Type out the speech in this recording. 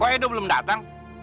kok edo belum datang